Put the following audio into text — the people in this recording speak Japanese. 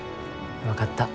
分かった。